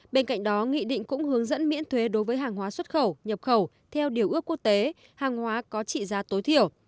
bên cạnh đó nghị định cũng hướng dẫn miễn thuế đối với hàng hóa xuất khẩu nhập khẩu theo điều ước quốc tế hàng hóa có trị giá tối thiểu